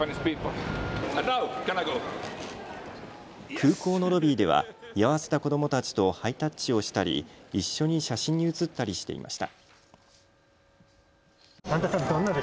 空港のロビーでは居合わせた子どもたちとハイタッチをしたり一緒に写真に写ったりしていました。